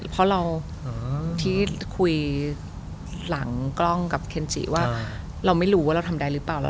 เพราะเราที่คุยหลังกล้องกับเคนจิว่าเราไม่รู้ว่าเราทำได้หรือเปล่า